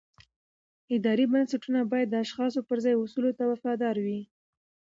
اداري بنسټونه باید د اشخاصو پر ځای اصولو ته وفادار وي